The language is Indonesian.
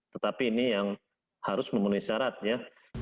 tetapi ini yang harus memenuhi syaratnya